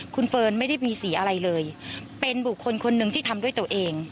คุณเฟิร์นไม่ได้มีสีอะไรเลยเป็นบุคคลคนหนึ่งที่ทำด้วยตัวเอง